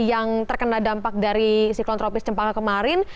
yang terkenal dampak dari siklon tropis jempaka kemarin